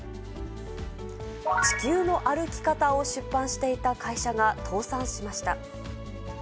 地球の歩き方を出版していた会社が倒産しました。